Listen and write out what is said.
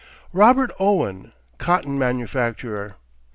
ROBERT OWEN, COTTON MANUFACTURER.